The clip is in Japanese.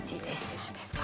そうなんですか。